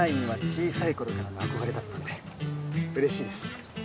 小さい頃からの憧れだったんで嬉しいです！